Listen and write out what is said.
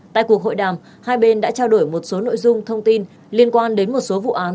tại cuộc hội đàm hai bên đã trao đổi một số nội dung thông tin liên quan đến một số vụ án